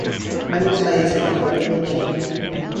Mangles Bay is a popular recreation area.